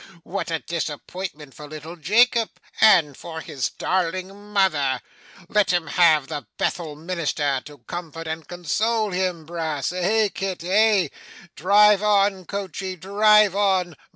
What a disappointment for little Jacob, and for his darling mother! Let him have the Bethel minister to comfort and console him, Brass. Eh, Kit, eh? Drive on coachey, drive on.